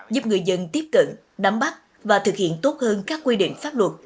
giúp người dân tiếp cận nắm bắt và thực hiện tốt hơn các quy định pháp luật